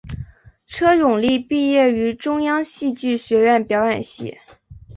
车永莉毕业于中央戏剧学院表演系。